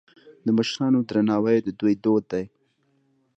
د مشرانو درناوی د دوی دود دی.